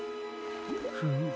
フム。